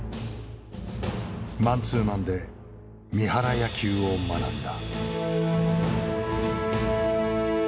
マンツーマンで三原野球を学んだ。